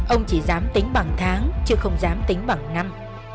ông chỉ dám tính bằng tháng chứ không dám tính bằng năm